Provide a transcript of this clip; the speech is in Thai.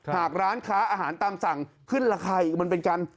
หากร้านค้าอาหารตามสั่งขึ้นราคาอีกมันเป็นกัน